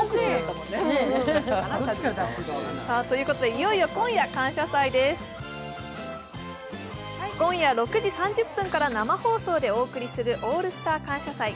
いよいよ今夜、「感謝祭」です今夜６時３０分から生放送でお送りする「オールスター感謝祭」。